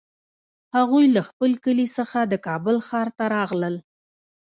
هغوی له خپل کلي څخه د کابل ښار ته راغلل